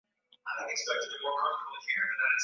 ambazo hutofautisha kati ya kabila moja na lingine